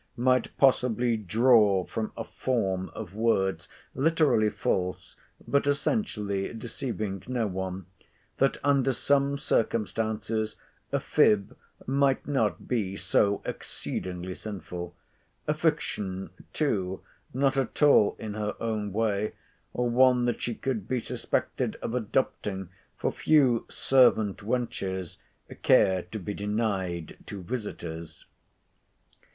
might possibly draw from a form of words—literally false, but essentially deceiving no one—that under some circumstances a fib might not be so exceedingly sinful—a fiction, too, not at all in her own way, or one that she could be suspected of adopting, for few servant wenches care to be denied to visitors.